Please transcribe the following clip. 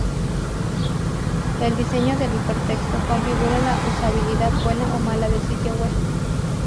El diseño del hipertexto configura la usabilidad buena o mala del sitio web.